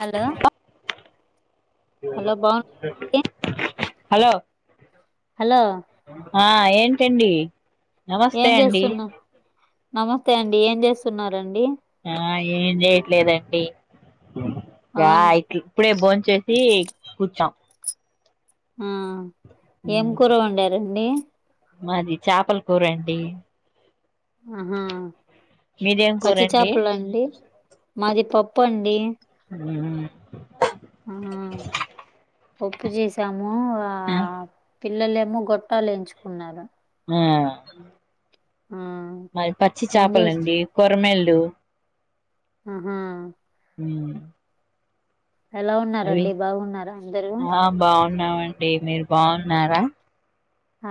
Hello hello బాగున్నారండి hello hello ఆ ఏంటండి ఏం నమస్తే అండి చేస్తున్నవు నమస్తే అండి ఏం చేస్తున్నారండి ఆ ఏం చేయట్లేదండి ఆ గా ఇట్ల ఇప్పుడే బోన్ చేసి కూర్చ ఆ ఏం ఉమ్, కూర వండారండి మాది చేపల కూర అండి ఆహా మీదేం పచ్చి కూరండి చేపలండి మాది పప్పు అండి ఉహు ఆహ పప్పు చేసాము ఆ పిల్లలు ఏమో గొట్టాలేయించుకున్నారు ఆ ఆ మరి పచ్చి ఏం చేస్త చాపలండి కోరమీన్లు ఆహా ఉమ్ ఎలా ఉన్నారండి బాగున్నారా అందరూ బాగున్నావండి మీరు బాగున్నారా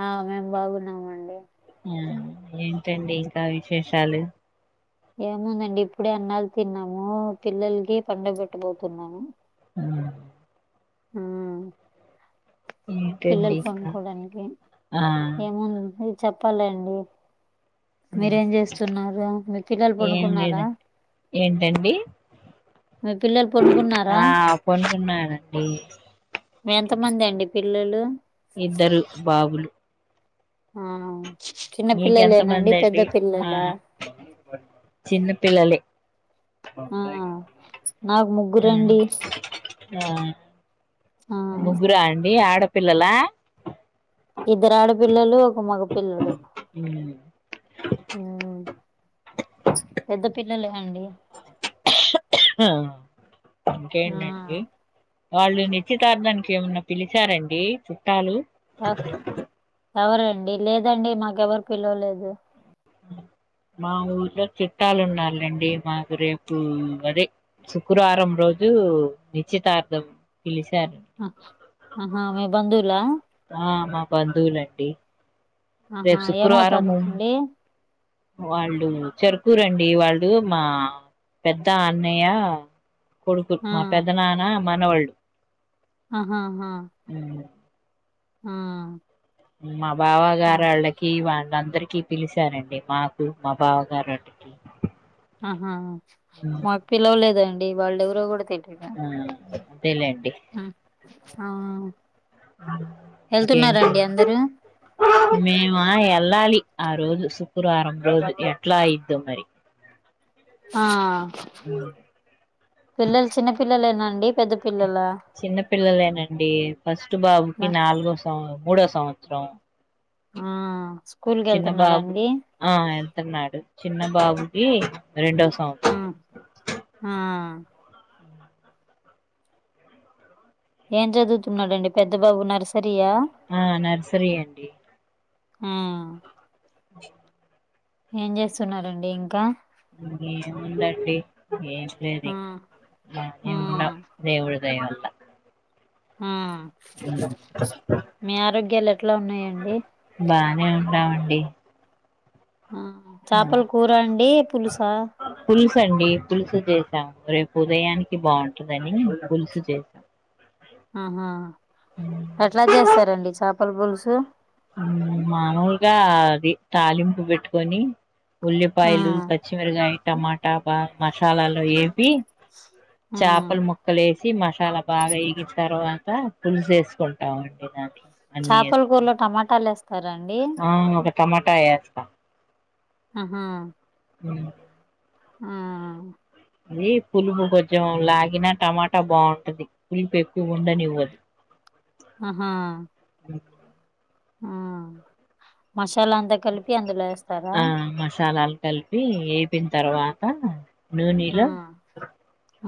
ఆ మేము బాగున్నమండి ఆ ఏంటండి ఇంకా విశేషాలు ఏముందండి ఇప్పుడే అన్నాలు తిన్నాము పిల్లలకి పడుగ పెట్టబోతున్నాము ఉమ్ ఉమ్ ఏంటండి పిల్లలు ఇంకా పనుకోవడానికి ఆ ఏముంది చెప్పాలండీ ఉమ్, మీరేం చేస్తున్నారు మీ పిల్లలు ఏం పడుకున్నారా లేదు ఏంటండి మీ పిల్లలు పనుకున్నారా ఆ పనుకున్నారండి మీ ఎంతమంది అండి పిల్లలు ఇద్దరు బాబులు ఆ చిన్న మీకెంత పిల్లలేనండి మంది పెద్ద అండి ఆ పిల్లలా చిన్న పిల్లలే ఆ నాకు ఆ ముగ్గురండి ఆ ఆ ముగ్గురా అండి ఆడపిల్లలా ఇద్దరు ఆడపిల్లలు ఒక మగ పిల్లోడు ఉ ఉం పెద్ద పిల్లలే అండి ఆ ఇంకేంటండి వాళ్ళు నిశ్చితార్థానికి ఏమన్నా పిలిచారండి చుట్టాలు ఆ ఎవరండి లేదండి మాకెవ్వరు పిలవలేదు మా ఊర్లో చిట్టాలున్నారులేండి మాకు రేపు అదే శుక్రారం రోజు నిశ్చితార్థం పిలిచారు ఆహా మీ బంధువులా ఆ మా బంధువులండి ఆహా రేపు శుక్రవారము ఏమవుతారండి వాళ్ళు చెరుకూరండి వాళ్ళు మా పెద్ద అన్నయ్య కొడుకు ఆ మా పెదనాన్న మనవళ్ళు ఆహాహా ఉం ఆ మా ఆ, బావగారోళ్ళకి కి వాళ్ళ అందరికి పిలిచానండి మాకు మా బావగారుంటికి ఆహా మాకు పిలవలేదండి వాళ్లు ఎవరో కూడా తెలియదు ఆ అంతేలె అండి అ ఆ ఎళ్తున్నార ఇంకేంటి అండి అందరూ మేమా వెళ్ళాలి ఆ రోజు శుక్రవారం రోజు ఎట్లా అయిద్ధోమరి ఆ ఉ పిల్లలు చిన్న పిల్లలేనండి పెద్ద పిల్లలా చిన్న పిల్లలేనండి ఫస్ట్ బాబుకి మ- నాలుగు వస్తు ఆ మూడో సంవత్సరం ఆ స్కూల్ కి చిన్న బాబుకి వెళ్తున్నాడండి ఆ ఎళ్తూన్నాడు చిన్న బాబుకి రెండో సంవ అ ఆ ఏం చదువుతున్నాడండి పెద్ద బాబు నర్సరియా ఆ నర్సరీ అండి ఆ అ ఏం చేస్తున్నారండి ఇంకా ఉం ఏమ్ముందండీ ఏమీలేదు ఆ ఇంక ఆ బానే ఉండ దేవుడి దయవల్ల ఆ మీ ఆరోగ్యాలు ఎట్లా ఉన్నాయండి బానే ఉన్నామండి ఆ చాపల కూర అండి పులుసా పులుసు అండి పులుసు చేసాము రేపు ఉదయానికి బాగుంటదని పులుసు చేసాం ఆహ ఎట్లా చేస్తారండి చాపల పులుసు మాములుగా అది తాలింపు పెట్టుకొని ఆ ఉల్లిపాయలు చిమిరకాయ టమాటా బాగ మసాలాలు యేంపి ఆ చేపలు ముక్క ముక్కలేసి మసాలా బాగా యేగిన తర్వాత పులుసేసుకుంటామండి దాన్ని చేపల కూరలో టమాటాలు వేస్తారండి ఆ ఒక టమాటా యేస్త ఆహా ఉమ్ ఆ అది పులుపు కొంచెం లాగిన టమాటా బాగుంటది పులుపు ఎక్కువ ఉండనివ్వదు ఆహా ఆ మసాలా అంతా కలిపి అందులో వేస్తారా ఆ మసాలాలు కలిపి యేపిన తర్వాత ఆ నూనీలో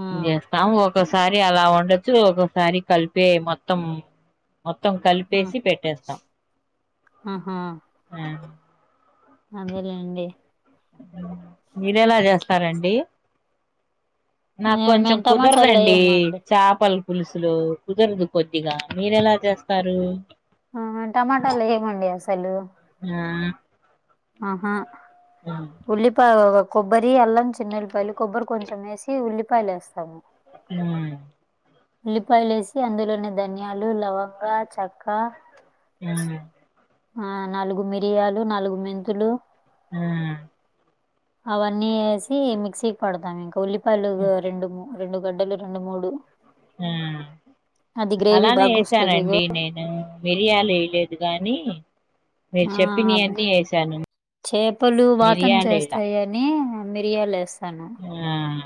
ఆ యేస్తాము ఒకసారి అలా వండొచ్చు ఒకసారి కలిపే మొత్తం మొత్తం ఆ కలిపేసి పెట్టేస్తాం ఆహా ఆ అదేలేండి మీరెలా జేస్తారండి నాకు మేం కొంచెం మేము టమాటాలు కుదరదండి వేయమండి చేపలు పులుసులు కుదరదు కొద్దిగా మీరెలా జేస్తారు ఆ టమాటాలు ఏయమండి అసలు ఆ ఆహా ఆ ఉల్లిపాయ కొబ్బరి అల్లం చిన్న ఉల్లిపాయలు కొబ్బరి కొంచెం వేసి ఉల్లిపాయలు వేస్తాము ఉమ్ ఉల్లిపాయలేసి అందులోని ధన్యాలు లవంగా చెక్క ఉమ్ ఆ నాలుగు మిరియాలు నాలుగు మెంతులు ఉమ్ అవన్నీ యేసి మిక్సీ పడతాం ఇంకా ఉల్లిపాయలు రెండు మూ రెండు గడ్డలు రెండు మూడు ఉమ్ గ్రేవీ అలానే బాగొస్తది. ఇగ యేసానండి నేను మిరియాలు యేయలేదు గాని మీరు ఆ చెప్పినవి అబ్బా అన్నీ వేసాను చేపలు వాతం మిరియాలు వేయలా చేస్తాయే ని మిరియాలు యేస్తాను ఉమ్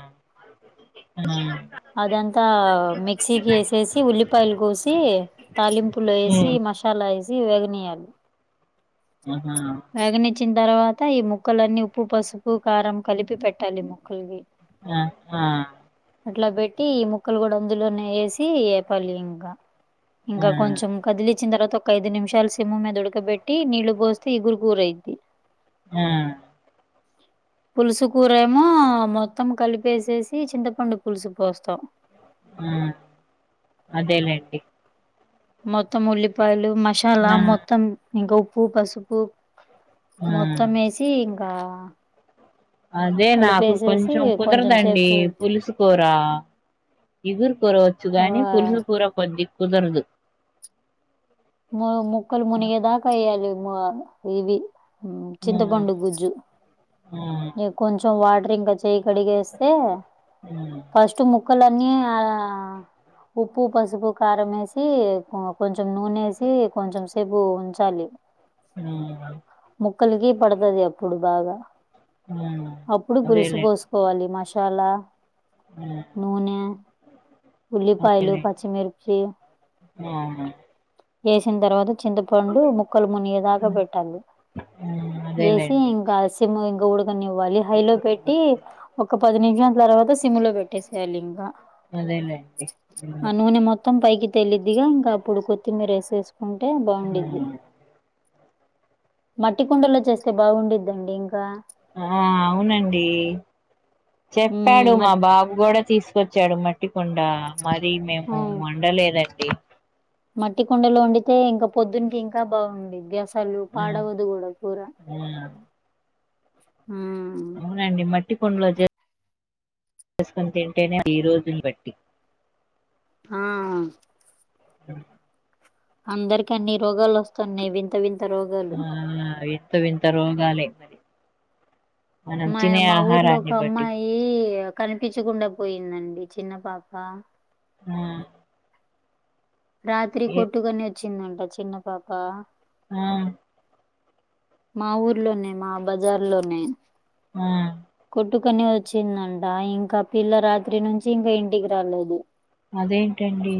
ఉమ్ అదంతా మిక్సీకి యేసేసి ఉల్లిపాయలు కోసి తాలింపులో యేసి ఉమ్ మసాలా యేసి వేగనీయాలి ఆహా వేగనిచ్చిన తర్వాత ఈ ముక్కలన్నీ ఉప్పు పసుపు కారం కలిపి పెట్టాలి ముక్కలకి ఆ ఆ అట్లా పెట్టి ఈ ముక్కలు కూడా అందులోనే వేసి ఏపాలి ఇంకా ఇంకా కొంచెం కదిలిచ్చిన తర్వాత ఒక ఐదు నిమిషాలు సిమ్ మీద ఉడకబట్టి నీళ్లు పోస్తే ఇగురు కూరైద్ది ఆ పులుసు కూర ఏమో మొత్తం కలిపేసేసి చింతపండు పులుసు పోస్తాం ఆ అదేలేండి మొత్తం ఉల్లిపాయలు మసాలా నా మొత్తం ఇంకా ఉప్పు పసుపు ఆ మొత్తం వేసి ఇంకా అదే నాకు కలిపేసేసి కొంచెం కొంచెం కుదరదండి సేపు పులుసు కూర ఇగురు కూరవచ్చు ఆ గానీ పులుసు కూర కొద్ది కుదరదు ము ముక్కలు మునిగదాకా ఎయ్యాల ఇ ఇవి ఉ మ్మ్ చింతపండు గుజ్జు మ్మ్ ఇగ కొంచెం వాటరింగ చేయి కడిగేస్తే మ్మ్ ఫస్ట్ ముక్కలన్నీ ఆ ఉప్పు పసుపు కారం వేసి కొ కొంచం నూనెసి సి కొంచెం సి సేపు ఉంచాలి ఊ ముక్కలకి పడతది అప్పుడు బాగా మ్మ్ అప్పుడు పులుసు అదేలేండి పోసు కోలీ మసాలా ఊ నూనె ఉల్లిపాయలు అదేలేండి పచ్చిమిర్చి ఆ వేసిన తర్వాత చింతపండు ముక్కలు మునిగె దాకా పెట్టలి మ్మ్ చేసి అదేలేండి ఇంకా సి సిమ్ము ఇంక ఉడకనివ్వాలి హైలో పెట్టి ఒక పది నిమిషం తర్వాత సి సిములో పెట్టేసయెలింగా అదేలేండి ఊ మొత్తం పైకి తెల్లిద్దిగా ఇంకా అప్పుడు కొత్తిమీర వేసేసుకుంటే బాగుండిద్ది మట్టి కుండలో చేస్తే బాగుండిద్దండి ఇంకా ఆ అవునండి హ్మ్. చెప్పాడు మా మట్ బాబు కూడా తీసుకు తీసుకొచ్చాడు మట్టికుండ మరి మేము హ్మ్. వండలేదండి మట్టి కుండలో వండితే ఇంకా పొద్దుంకి ఇంకా బాగుండిది గ్యాస్ సలు మ్మ్ పాడవదు కూడా కూర మ్మ్ ఊ అవునండి మట్టి కొండలో చేసుకొని తింటేనే ఈ రోజులు బట్టి ఆ అందరికి అన్ని రోగాలు వస్తున్నాయి వింత వింత రోగాలు ఆ వింత వింత రోగాలే మరి మనం తినే ఆహారాన్ని బట్టి ఈ కనిపించకుండా పోయిందండి చిన్న పాప ఆ రాత్రి ఏ కొట్టుకని వచ్చిందంట చిన్న పాప ఆ మా ఊర్లోనే మా బజార్ లోనే ఆ కొట్టుకొని వచ్చిందంట ఇంకా పిల్ల రాత్రి నుంచి ఇంకా ఇంటికి రాలేదు అదేంటండి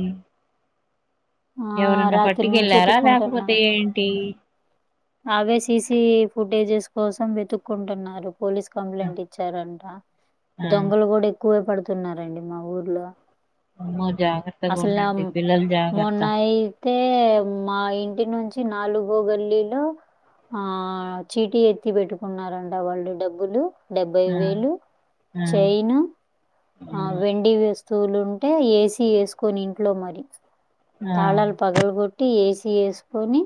ఆ ఎవరన్నా రాత్రి నుంచి పట్టుకెళ్ళారా లేకపోతే వెతుక్కుంటున్నాడు అట ఏంటి అవే సీసీ ఫుటేజెస్ కోసం వెతుక్కుంటున్నారు పోలీస్ ఆ కంప్లైంట్ ఇచ్చారంట ఆ దొంగలు కూడా ఎక్కువే పడుతున్నారండి మా ఊర్లో అమ్మో జాగ్రత్తగా అసల ఉండండి మ్ పిల్లలు జాగ్రత్త మొన్న అయితే మా ఇంటి నుంచి నాలుగో గల్లీలో ఆ చీటి ఎత్తి పెట్టుకున్నారంట వాళ్ళు డబ్బులు డెబ్బై ఆ వేలు ఆ ఆ చైన ఆ వెండి వస్తువులు ఉంటే ఏసీ వేసుకొని ఇంట్లో మరి ఆ తాళాలు పగలగొట్టి ఏసీ వేసుకొని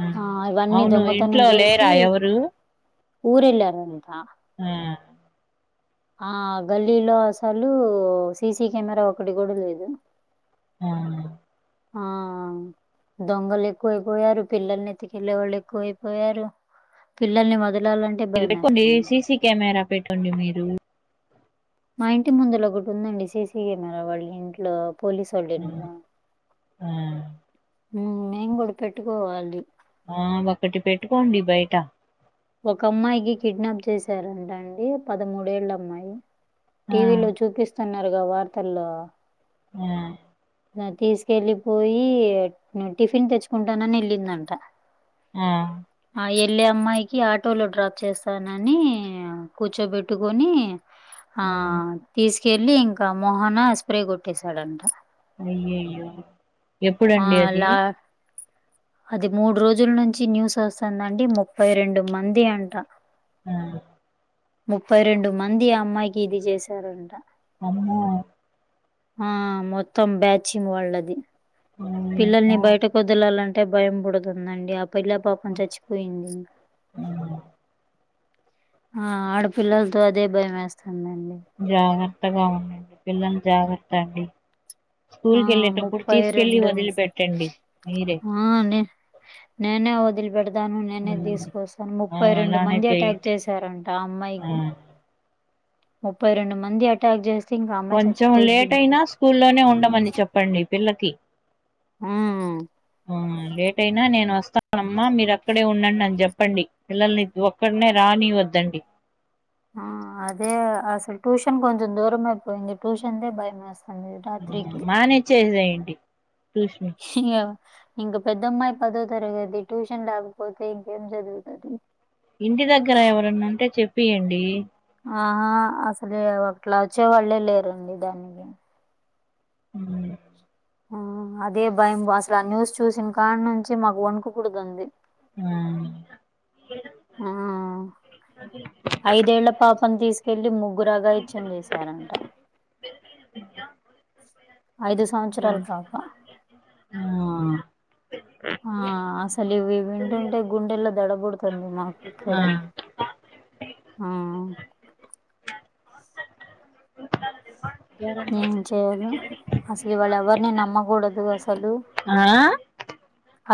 ఆ హా ఇవన్నీ అవును దొంగతనం ఇంట్లో చేసి లేరా ఎవరు ఊరెళ్ళారంట ఆ ఆ గల్లీలో అసలు సీసీ కెమెరా ఒకటి కూడా లేదు ఆ ఆ దొంగలు ఎక్కువ అయిపోయారు పిల్లల్ని ఎత్కెళ్ళే వాళ్ళు ఎక్కువ అయిపోయారు పిల్లల్ని వదలాలంటే మీరు పెట్కొండి భయమేస్తుంది. సీసీ కెమెరా పెట్టండి మీరు మా ఇంటి ముందులో ఒకటి ఉందండి సీసీ కెమెరా వాళ్ళ ఇంట్లో పోలీసు వాళ్ళ ఇంట్లో ఉమ్ ఉమ్ మేము కూడా పెట్టుకోవాలి ఆ ఒకటి పెట్టుకోండి బయట ఒక అమ్మాయికి కిడ్నాప్ చేసారంట అండి పదమూడేళ్ళ అమ్మాయి ఆ టీవీలో చూపిస్తున్నారుగా వార్తల్లో ఆ తీసుకెళ్ళిపోయి న టిఫిన్ తెచ్చుకుంటానని వెళ్ళిందంట ఆ ఆ ఏళ్ళే అమ్మాయి కి ఆటోలో డ్రాప్ చేస్తానని కూర్చోపెట్టుకోని ఆ తీసుకెళ్ళి ఇంకా మోహన ఆ స్ప్రే కొట్టేసాడంట అయ్యయ్యో ఆ ఎప్పుడండి అది లా అది మూడు రోజులు నుంచి న్యూస్ వస్తుందండి ముప్పై రెండు మంది అంటా ఉమ్ ముప్పై రెండు మంది ఆ అమ్మాయికి ఇది చేసారంట అమ్మో ఆ మొత్తం బ్యాచి వాళ్ళది పిల్లల్ని ఓయమ్మో బయటకు వదలాలంటే భయం పుడుతుందండి అప్ పిల్లా పాపం చచ్చిపోయింది ఇంక ఆ ఆ ఆడపిల్లలతో అదే భయం వేస్తుందండి జాగ్రత్తగా ఉండండి పిల్లలని జాగ్రత్త అండి ఆ స్కూల్కి వెళ్ళేటప్పుడు ముప్పై తీసుకెళ్ళి రెండు వదిలి పెట్టండి మీరే ఆ అండి నేనే వదిలి పెడుత తాను నేనే హ్మ్. తీసుకొస్తాను ఆ ముప్పై రెండు అలానే మంది అటాక్ చేయండి చేశారంట ఆ అమ్మాయికి ముప్పై రెండు మంది అటాక్ చేస్తే ఇంకా అమ్మాయి కొంచెం చచ్చిపోయిద్ది లేట్ ఇంకా అయినా స్కూల్లోనే ఉండమని చెప్పండి పిల్లకి ఆ ఆ లేట్ అయినా నేను వస్తానమ్మా మీరు అక్కడే ఉండండి అని చెప్పండి పిల్లల్ని ఒక్కడనే రానివద్దండి ఆ అదే అసలు ట్యూషన్ కొంచెం దూరమే పోయింది ట్యూషన్ దే భయమేస మానిచ్చేసేయండి ట్యూషన్ ఇగ ఇంక పెద్దమ్మాయి పదో తరగతి ట్యూషన్ లేకపోతే ఇంకేం చదువుతది ఇంటి దగ్గర ఎవరన్నా ఉంటే చెప్పియండి ఆహా అసలే అట్లా వచ్చేవాళ్ళే లేరండి దానికి ఉమ్ ఆ అదే భయం అసలు ఆ న్యూస్ చూసిన కాన్ నుంచి మాకు వణుకుపుడుతాంది ఆ ఆ ఐదేళ్ళ పాప ని తీసుకెళ్లి ముగ్గురు అగాయిచ్చం చేసారంట ఐదు సంవత్సరాలు పాప ఆ అసలు ఇవి వింటుంటే గుండెల్లో దడబుడుతుంది మాకు ఇక్కడ ఆ ఆ ఏం చేయాలి అసలు ఇవాళ ఎవరిని నమ్మకూడదు అసలు ఆ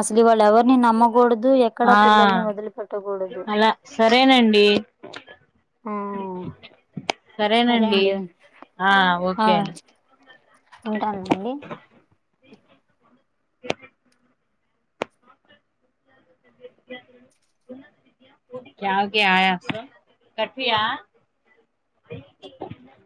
అసలు ఇవాళ ఎవరిని నమ్మకూడదు ఎక్కడా ఆ పిల్లల్ని వదిలిపెట్టకూడదు అలా సరేనండి ఆ సరే సరేనండి అండి ఆ ఆ ఓకే అండి ఉంటానండి ఇ కాకి ఆయా కఠి ఆ